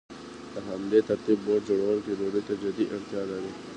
په همدې ترتیب بوټ جوړونکی ډوډۍ ته جدي اړتیا لري